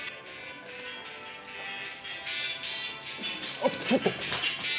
あっちょっと！